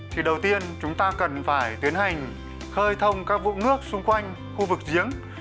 thì đầu tiên chúng ta cần phải tiến hành khơi thông các vũng nước xung quanh khu vực giếng